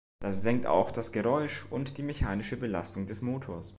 Das senkt das Geräusch und die mechanische Belastung des Motors.